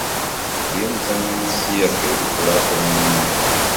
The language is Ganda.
Eby'emizannyo mu nsi yaffe bikulaakulanye nnyo.